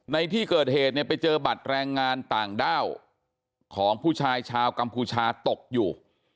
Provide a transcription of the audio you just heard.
ในที่เกิดเหตุเนี่ยไปเจอบัตรแรงงานต่างด้าวของผู้ชายชาวกัมพูชาตกอยู่